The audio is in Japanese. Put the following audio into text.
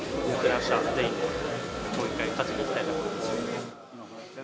あした、全員でもう一回勝ちにいきたいなと思います。